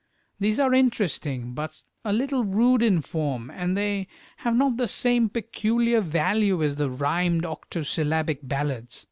These are interesting, but a little rude in form, and they have not the same peculiar value as the rhymed octo syllabic ballads.